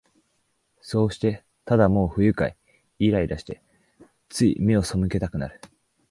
そうして、ただもう不愉快、イライラして、つい眼をそむけたくなる